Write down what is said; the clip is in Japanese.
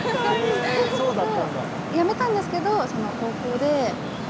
へえそうだったんだ。